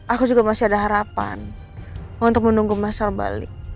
aku juga masih ada harapan untuk menunggu masal balik